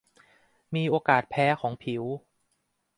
มีโอกาสแพ้ของผิว